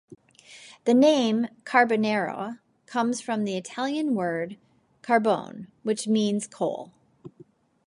The name carbonara comes from the Italian word "carbone," which means coal.